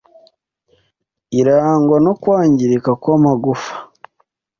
irangwa no kwangirika kw’amagufa